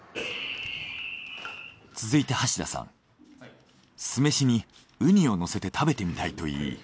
続いて橋田さん酢飯にウニをのせて食べてみたいと言い。